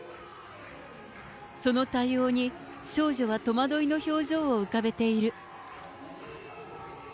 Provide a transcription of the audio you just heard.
その対応に少女は戸惑いの表情を浮かべている。